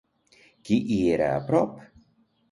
Qui hi era a prop?